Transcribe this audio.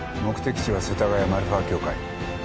目的地は世田谷マルファ教会。